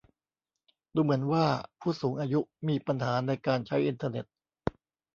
ดูเหมือนว่าผู้สูงอายุมีปัญหาในการใช้อินเทอร์เน็ต